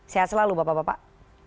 sehat selalu bapak bapak